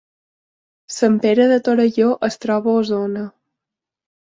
Sant Pere de Torelló es troba a Osona